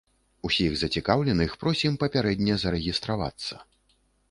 Усіх зацікаўленых просім папярэдне зарэгістравацца.